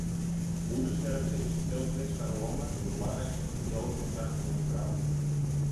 Moedersterfte is in veel kwetsbare landen de belangrijkste doodsoorzaak onder vrouwen.